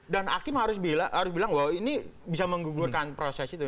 dan hakim harus bilang wah ini bisa menggugurkan proses itu